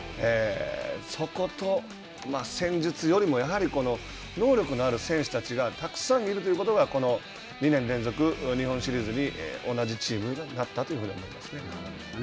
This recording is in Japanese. そこと、戦術よりも能力のある選手たちがたくさんいるということがこの２年連続日本シリーズに同じチームになったというふうに思ってますね。